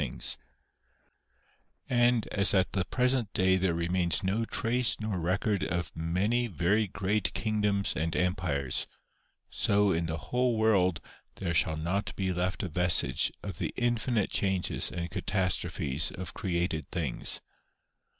155 remains no trace nor record of many very great kingdoms and empires, so in the whole world there shall not be left a vestige of the infinite changes and catastrophes of created things.